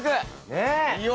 ねえ！